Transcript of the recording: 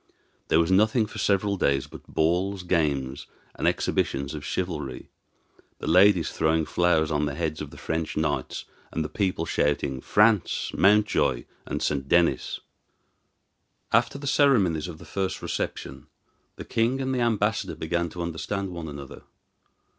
There was nothing for several days but balls, games, and exhibitions of chivalry, the ladies throwing flowers on the heads of the French knights, and the people shouting, "France! Mountjoy and St. Denis!" After the ceremonies of the first reception the king and the ambassador began to understand one another.